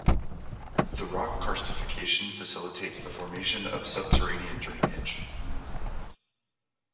The rock karstification facilitates the formation of sub-terrainean drainage.